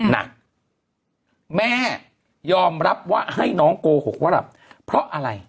น่ะแม่ยอมรับว่าให้น้องโกหกว่าหลับเพราะอะไร